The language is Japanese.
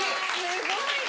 すごいな。